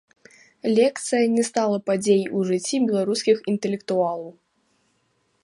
Лекцыя не стала падзеяй у жыцці беларускіх інтэлектуалаў.